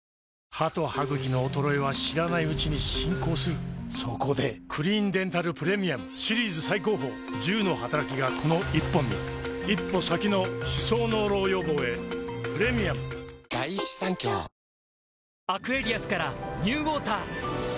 歯と歯ぐきの衰えは知らないうちに進行するそこで「クリーンデンタルプレミアム」シリーズ最高峰１０のはたらきがこの１本に一歩先の歯槽膿漏予防へプレミアムわあ奇麗！